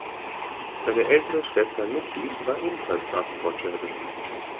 Seine ältere Schwester Nicky war ebenfalls Radsportlerin.